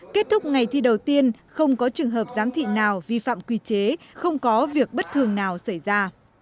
kết thúc ngày thi đầu tiên không có trường hợp giám thị nào vi phạm quy chế không có việc bất thường nào xảy ra